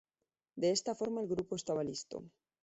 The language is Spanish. De esta forma el grupo estaba listo.